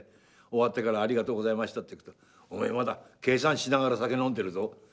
終わってから「ありがとうございました」って行くと「お前まだ計算しながら酒飲んでるぞ。